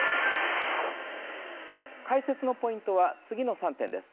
解説のポイントは、次の３点です。